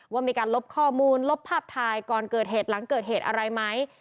ว่ามีการลบข้อมูลลบภาพถ่ายก่อนเกิดเหตุหลังเกิดเหตุอะไรไหม